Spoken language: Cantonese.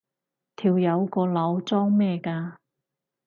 條友個腦裝咩㗎？